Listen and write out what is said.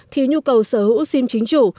thì nhu cầu sở hữu sim chính chủ